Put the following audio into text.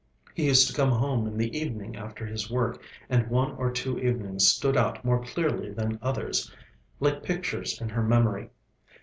He used to come home in the evening after his work, and one or two evenings stood out more clearly than others, like pictures in her memory.